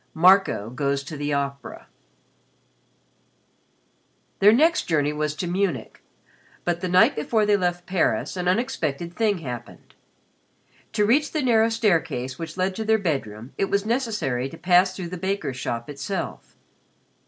XX MARCO GOES TO THE OPERA Their next journey was to Munich, but the night before they left Paris an unexpected thing happened. To reach the narrow staircase which led to their bedroom it was necessary to pass through the baker's shop itself.